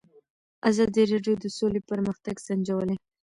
ازادي راډیو د سوله پرمختګ سنجولی.